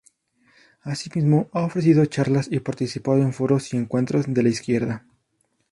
Asimismo, ha ofrecido charlas y participado en foros y encuentros de la izquierda.